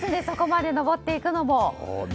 そこまで上っていくのも。